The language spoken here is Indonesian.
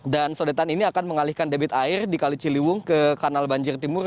dan sodetan ini akan mengalihkan debit air di kali ciliwung ke kanal banjir timur